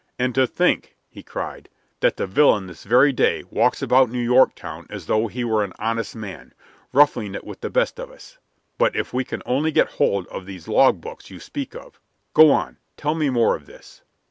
"And to think," he cried, "that the villain this very day walks about New York town as though he were an honest man, ruffling it with the best of us! But if we can only get hold of these log books you speak of. Go on; tell me more of this."